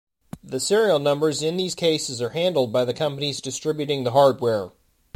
The serial numbers in these cases are handled by the companies distributing the hardware.